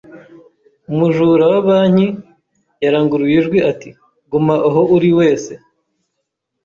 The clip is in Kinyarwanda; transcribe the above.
Umujura wa banki yaranguruye ijwi ati: "Guma aho uri, mwese!"